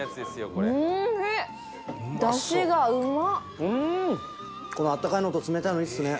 このあったかいのと冷たいのいいっすね。